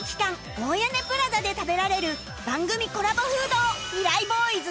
大屋根プラザで食べられる番組コラボフードをミライＢｏｙｓ